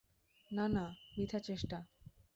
না না, বৃথা চেষ্টা।